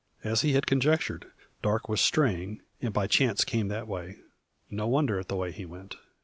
As he had conjectured, Darke was straying, and by chance came that way. No wonder at the way he went.